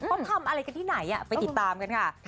เขาทำอะไรกันที่ไหนไปติดตามกันค่ะ